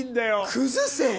崩せ！